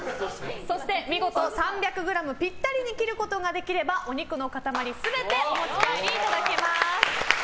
そして見事３００ｇぴったりに切ることができればお肉の塊全てお持ち帰りいただけます。